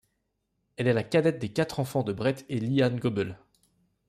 Elle est la cadette des quatre enfants de Brett et LeeAnn Goebel.